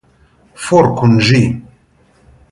For kun ĝi!